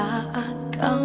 saya akan berhenti